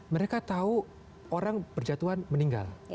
mereka tahu orang berjatuhan meninggal